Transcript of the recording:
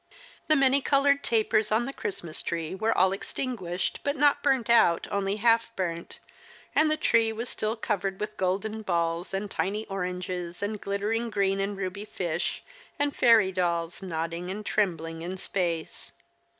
The many colonred tapers on the Christmas tree were all extinguished but not burnt out, only half burnt, and the tree was still covered with golden balls, and tiny oranges, and glittering green and ruby fish, and fairy dolls nodding and trembling in space.